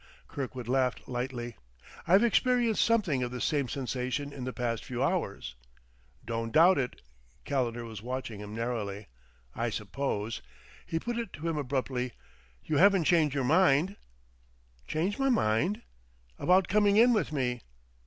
Kirkwood laughed lightly. "I've experienced something of the same sensation in the past few hours." "Don't doubt it." Calendar was watching him narrowly. "I suppose," he put it to him abruptly, "you haven't changed your mind?" "Changed my mind?" "About coming in with me."